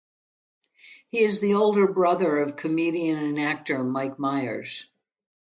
He is the older brother of comedian and actor Mike Myers.